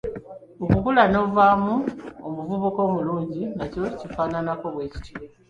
Okukula n'ovaamu omuvubuka omulungi nakyo kifaananako bwe kityo.